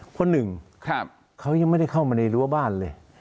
เพราะหนึ่งเขายังไม่ได้เข้ามาในรั้วบ้านเลย